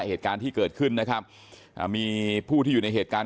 เหตุการณ์ที่เกิดขึ้นนะครับอ่ามีผู้ที่อยู่ในเหตุการณ์